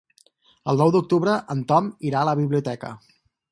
El nou d'octubre en Tom irà a la biblioteca.